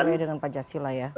yang sesuai dengan pancasila ya